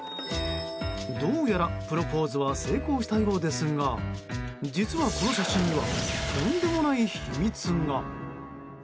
どうやら、プロポーズは成功したようですが実はこの写真にはとんでもない秘密が。